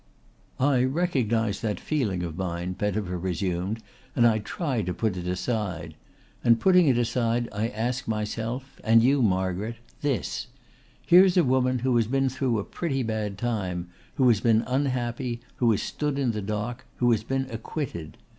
"I recognise that feeling of mine," Pettifer resumed, "and I try to put it aside. And putting it aside I ask myself and you, Margaret, this: Here's a woman who has been through a pretty bad time, who has been unhappy, who has stood in the dock, who has been acquitted.